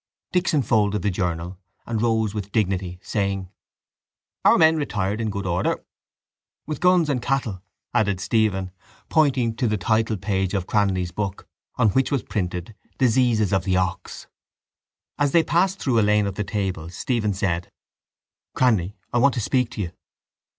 Dixon folded the journal and rose with dignity, saying: —Our men retired in good order. —With guns and cattle, added Stephen, pointing to the titlepage of Cranly's book on which was printed Diseases of the Ox. As they passed through a lane of the tables Stephen said: —Cranly, I want to speak to you.